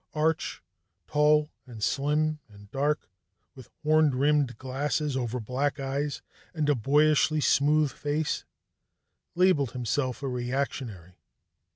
Arch, tall and slim and dark, with horn rimmed glasses over black eyes and a boyishly smooth face, labelled himself a reactionary.